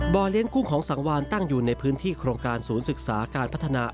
เลี้ยงกุ้งของสังวานตั้งอยู่ในพื้นที่โครงการศูนย์ศึกษาการพัฒนา